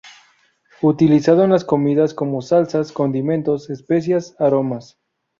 Utilizado en las comidas como salsas, condimentos, especias, aromas.